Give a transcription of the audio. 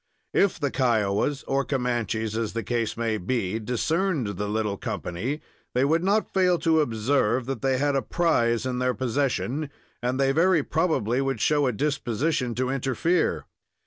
If the Kiowas or Comanches, as the case might be, discerned the little company, they would not fail to observe that they had a prize in their possession, and they very probably would show a disposition to interfere.